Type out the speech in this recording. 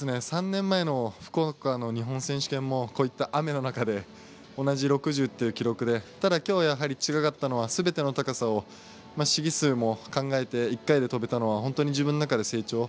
３年前の福岡の日本選手権もこういった雨の中で同じ６０っていう記録でただ、きょう違ったのはすべての高さを試技数も考えて１回で跳べたのは本当に自分の中で成長。